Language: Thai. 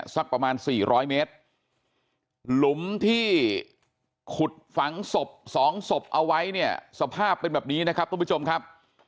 สักประมาณ๔๐๐เมตรหลุมที่ขุดฝังศพ๒ศพเอาไว้สภาพเป็นแบบนี้นะครับ